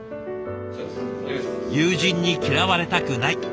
友人に嫌われたくない。